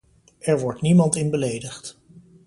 Er wordt niemand in beledigd.